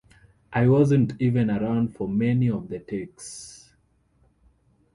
I wasn't even around for many of the takes...